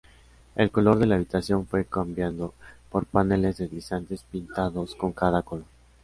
El color de la habitación fue cambiado por paneles deslizantes pintados con cada color.